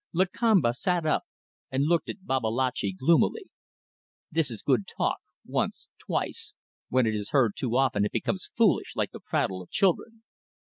Lakamba sat up and looked at Babalatchi gloomily. "This is good talk, once, twice; when it is heard too often it becomes foolish, like the prattle of children."